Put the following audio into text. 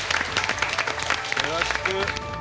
よろしく。